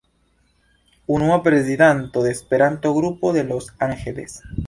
Unua prezidanto de Esperanto-Grupo de Los Angeles.